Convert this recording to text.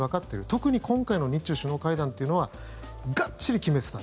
特に今回の日中首脳会談というのはがっちり決めてた。